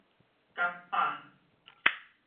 蓋仔